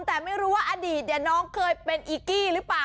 แต่ไม่รู้ว่าอดีตน้องเคยเป็นอีกกี้หรือเปล่า